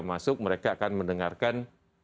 masuk mereka akan mendengarkan